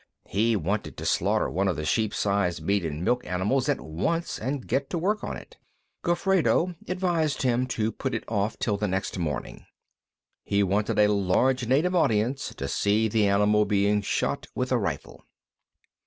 He wanted to slaughter one of the sheep sized meat and milk animals at once and get to work on it. Gofredo advised him to put it off till the next morning. He wanted a large native audience to see the animal being shot with a rifle.